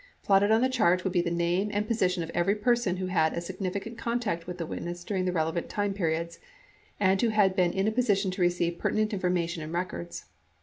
Plotted on the chart would be the name and position of every person who had a significant con tact with the witness during relevant time periods and who had been in a position to receive pertinent information and records.